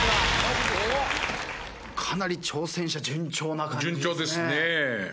かなり挑戦者順調な感じですね。